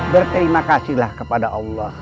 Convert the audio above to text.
berterima kasihlah kepada allah